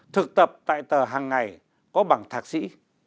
thực tập tại tờ hằng ngày có bằng thạc sĩ